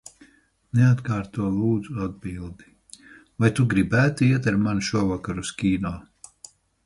Neatkārto, lūdzu, atbildi. Vai tu gribētu iet ar mani šovakar uz kino?